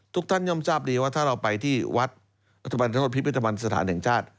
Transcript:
ทุกท่านยอมทราบดีว่าถ้าเราไปที่วัดพิพิธรรมันสถานแห่งชาติ